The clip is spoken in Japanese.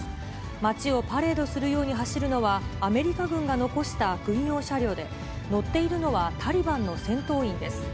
街をパレードするように走るのは、アメリカ軍が残した軍用車両で、乗っているのは、タリバンの戦闘員です。